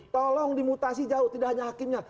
tolong dimutasi jauh tidak hanya hakimnya